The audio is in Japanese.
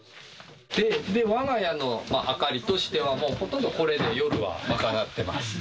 わが家の明かりとしては、もうほとんどこれで夜は賄ってます。